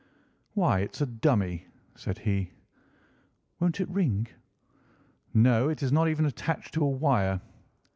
"Why, it's a dummy," said he. "Won't it ring?" "No, it is not even attached to a wire.